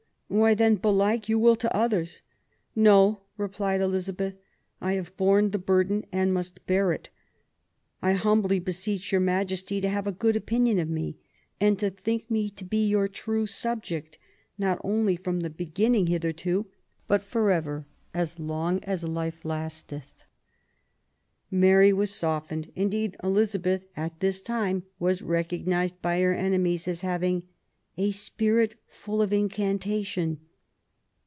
" Why, then, belike you will to others." '* No," replied Elizabeth; ''I have borne the burden and must bear it. I humbly beseech your Majesty to have a good opinion of me. 1 1 p 36 QUEEN ELIZABETH, and to think me to be your true subject, not only fro the beginning hitherto, but for ever as long as lift lasteth." Mary was softened. Indeed Elizabeth a this time was recognised by her enemies as havinj a spirit full of incantation